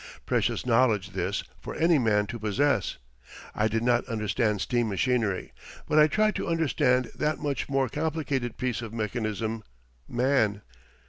Precious knowledge this for any man to possess. I did not understand steam machinery, but I tried to understand that much more complicated piece of mechanism man.